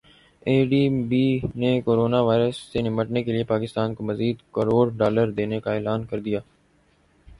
اے D B نے corona virus سے نمٹنے کیلئے پاکستان کو مزید کروڑ ڈالر دینے کا اعلان کردیا